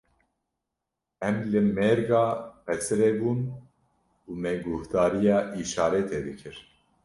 Em li mêrga qesirê bûn û me guhdariya îşaretê dikir.